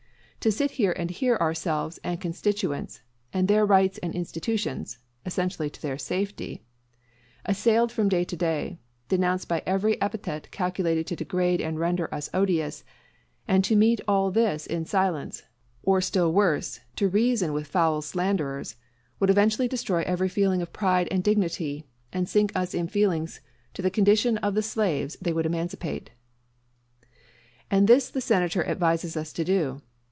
To sit here and hear ourselves and constituents, and their rights and institutions (essential to their safety), assailed from day to day denounced by every epithet calculated to degrade and render us odious; and to meet all this in silence, or still worse, to reason with the foul slanderers, would eventually destroy every feeling of pride and dignity, and sink us in feelings to the condition of the slaves they would emancipate. And this the Senator advises us to do.